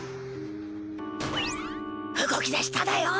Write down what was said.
動きだしただよ。